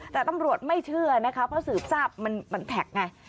แต่ตำรวจไม่เชื่อนะคะเพราะสืบทราบมันแท็กไง